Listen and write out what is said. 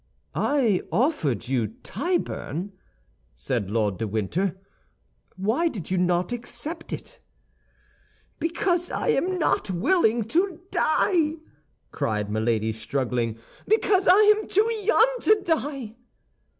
"I offered you Tyburn," said Lord de Winter. "Why did you not accept it?" "Because I am not willing to die!" cried Milady, struggling. "Because I am too young to die!"